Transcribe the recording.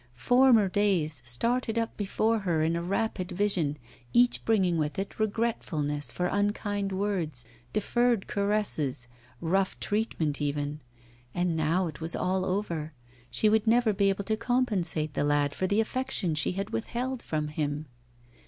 Former days started up before her in a rapid vision, each bringing with it regretfulness for unkind words, deferred caresses, rough treatment even. And now it was all over; she would never be able to compensate the lad for the affection she had withheld from him.